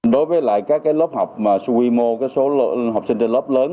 đối với lại các lớp học mà số quy mô số học sinh trên lớp lớn